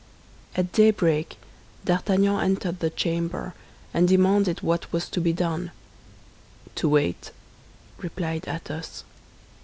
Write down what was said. At daybreak D'Artagnan entered the chamber, and demanded what was to be done. "To wait," replied Athos.